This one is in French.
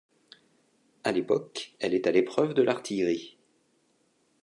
À l’époque, elle est à l’épreuve de l’artillerie.